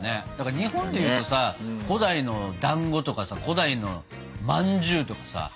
日本でいうとさ古代のだんごとかさ古代のまんじゅうとかさ。